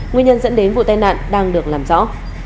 nguyên nhân dẫn đến vụ tai nạn đang được làm rõ